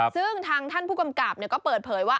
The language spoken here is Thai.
ซึ่งทางท่านผู้กำกับก็เปิดเผยว่า